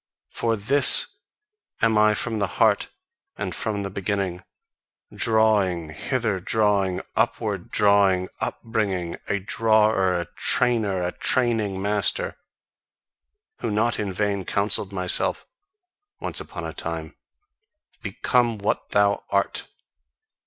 For THIS am I from the heart and from the beginning drawing, hither drawing, upward drawing, upbringing; a drawer, a trainer, a training master, who not in vain counselled himself once on a time: "Become what thou art!"